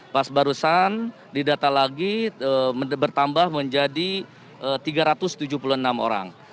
pas barusan didata lagi bertambah menjadi tiga ratus tujuh puluh enam orang